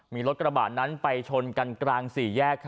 มีรถกระบาดนั้นไปชนกันกลางสี่แยก